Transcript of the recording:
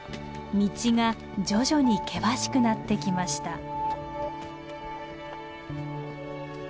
道が徐々に険しくなってきました。